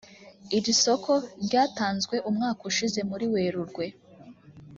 Iri soko ryatanzwe umwaka ushize muri Werurwe